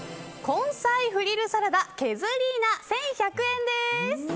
根菜フリルサラダ削りナ１１００円です。